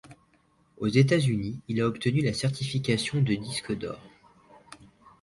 Aux États-Unis, il a obtenu la certification de disque d'or.